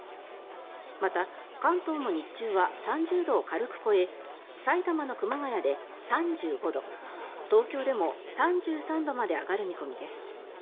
また、関東も日中は３０度を軽く超え埼玉の熊谷で３５度東京でも３３度まで上がる見込みです。